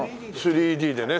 ３Ｄでね。